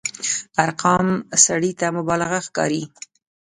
ارقام سړي ته مبالغه ښکاري.